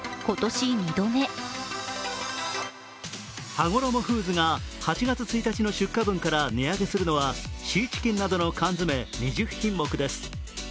はごろもフーズが８月１日の出荷分から値上げするのはシーチキンなどの缶詰、２０品目です